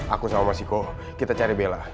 aku sama mas siko kita cari bella